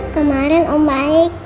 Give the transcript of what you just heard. kemarin om baik